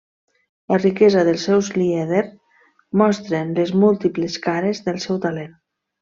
La riquesa dels seus lieder mostren les múltiples cares del seu talent.